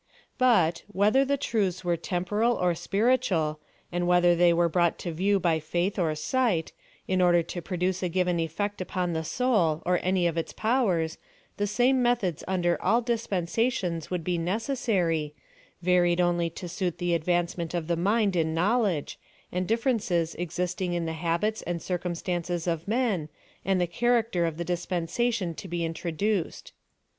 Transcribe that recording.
But, whether the truths were temporal or spiritual, and whether they were brought to view by faith oi sight, in order to produce a given effect upon the soul, or any of its powers, the same methods under all dispensations would be necessary, varied only to suit the advancement of the mind in knowledge, llie differences existing in the habits and circum stances of men, and the character of the dispensa PLAN OF SALVATION. 157 tion to be introduced.